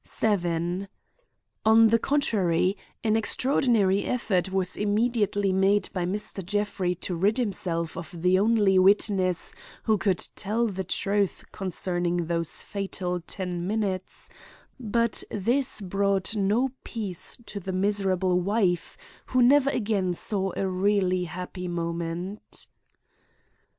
7. On the contrary, an extraordinary effort was immediately made by Mr. Jeffrey to rid himself of the only witnesses who could tell the truth concerning those fatal ten minutes; but this brought no peace to the miserable wife, who never again saw a really happy moment.